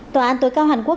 tòa án tối cao hàn quốc